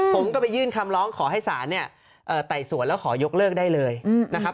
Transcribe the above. ผมก็ไปยื่นคำร้องขอให้ศาลเนี่ยไต่สวนแล้วขอยกเลิกได้เลยนะครับ